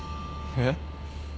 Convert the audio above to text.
えっ？